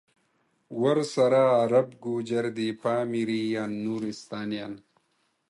ورسره عرب، گوجر دی پامیریان، نورستانیان